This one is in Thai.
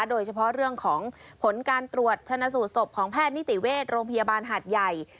โดยเฉพาะเรื่องของผลการตรวจชนะสูตรศพของแพทย์นิติเวชโรงพยาบาลหาดใหญ่